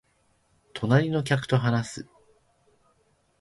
隣の客と話す